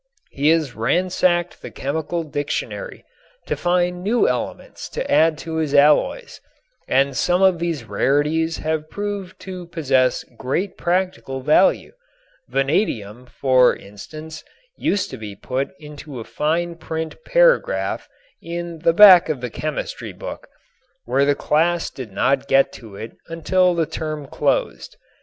He has ransacked the chemical dictionary to find new elements to add to his alloys, and some of these rarities have proved to possess great practical value. Vanadium, for instance, used to be put into a fine print paragraph in the back of the chemistry book, where the class did not get to it until the term closed.